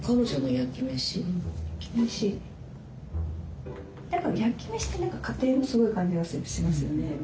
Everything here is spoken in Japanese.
焼き飯って何か家庭のすごい感じがしますよね。